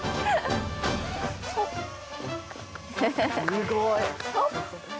すごい！